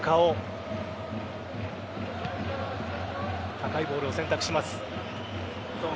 高いボールを選択します。